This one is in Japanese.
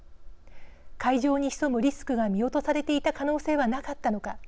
会場に潜むリスクが見落とされていた可能性はなかったのか。